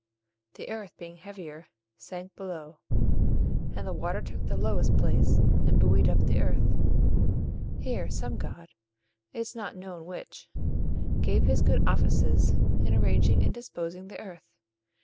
The earth, being heavier, sank below; and the water took the lowest place, and buoyed up the earth. Here some god it is not known which gave his good offices in arranging and disposing the earth.